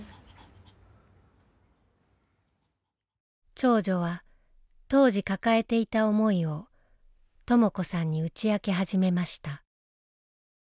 長女は当時抱えていた思いをとも子さんに打ち明け始めました。